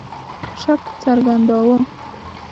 شک څرګنداوه.